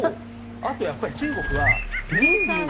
あとやっぱり中国は人数が。